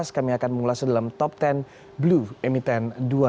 kami akan mengulasnya dalam top sepuluh blue emiten dua ribu dua puluh